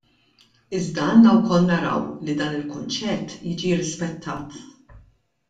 Iżda għandna wkoll naraw li dan il-kunċett jiġi rrispettat.